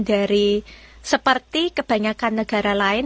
dari seperti kebanyakan negara lain